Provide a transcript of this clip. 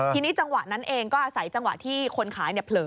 ทีนี้จังหวะนั้นเองก็อาศัยจังหวะที่คนขายเผลอ